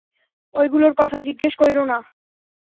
ঐগুলার কথা জিজ্ঞেস কইরো না।